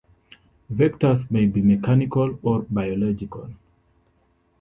Vectors may be mechanical or biological.